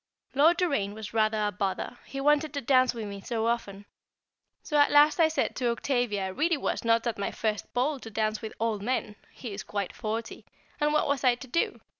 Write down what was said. Lord Doraine was rather a bother, he wanted to dance with me so often; so at last I said to Octavia I really was not at my first ball to dance with old men (he is quite forty), and what was I to do?